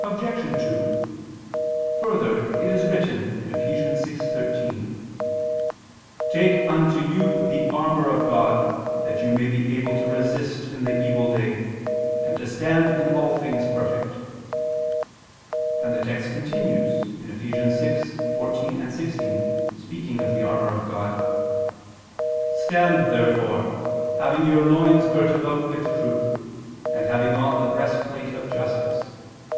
Obj. 2: Further, it is written (Eph. 6:13): "Take unto you the armor of God, that you may be able to resist in the evil day, and to stand in all things perfect"; and the text continues (Eph. 6:14, 16), speaking of the armor of God: "Stand therefore having your loins girt about with truth, and having on the breast plate of justice